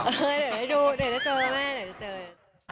เดี๋ยวจะดูเดี๋ยวจะเจอแม่เดี๋ยวจะเจอ